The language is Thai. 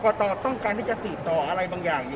ตต้องการที่จะติดต่ออะไรบางอย่าง